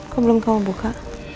kok belum kamu buka